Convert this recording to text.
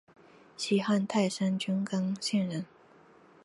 西汉泰山郡刚县人。